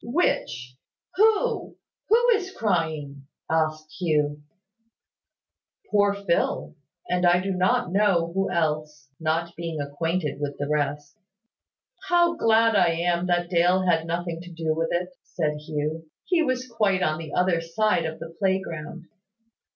"Which? Who? Who is crying?" asked Hugh. "Poor Phil, and I do not know who else, not being acquainted with the rest." "How glad I am that Dale had nothing to do with it!" said Hugh. "He was quite on the other side of the playground."